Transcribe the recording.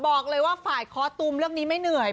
บอกเลยว่าฝ่ายคอตุ้มแล้วกนี้ไม่เหนื่อย